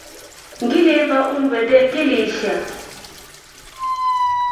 Ngiliemba umvende ngiliisha.